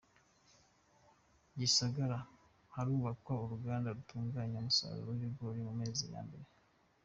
Gisagara Harubakwa uruganda rutunganya umusaruro w’ibigori mu mezi ya mbere